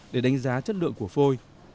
để đánh giá chất lượng của phôi